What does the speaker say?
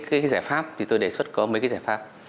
cái giải pháp thì tôi đề xuất có mấy cái giải pháp